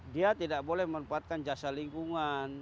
dia tidak boleh memanfaatkan jasa lingkungan